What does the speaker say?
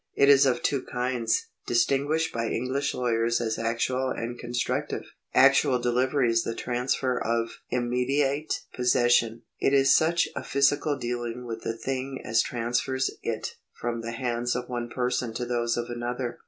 It is of two kinds, distinguished by English lawyers as actual and constr active. 1 Actual delivery is the transfer of immediate possession ; it is such a physical dealing with the thing as transfers it from the hands of one person to those of another.